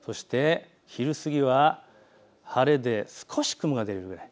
昼過ぎは晴れで少し雲が出るくらい。